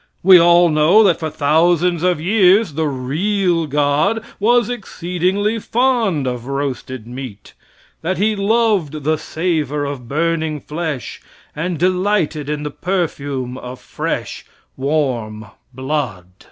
We all know that for thousands of years the "real" God was exceedingly fond of roasted meat; that He loved the savor of burning flesh, and delighted in the perfume of fresh, warm blood.